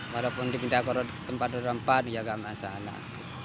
walaupun dipindah ke tempat roda empat ya enggak masalah